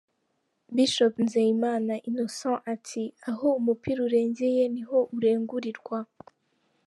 Bishop Nzeyimana Innocent ati “Aho Umupira urengeye ni ho urengurirwa”